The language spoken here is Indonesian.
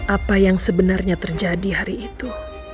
apa yang sebenarnya terjadi hari itu